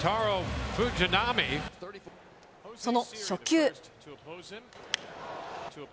その初球。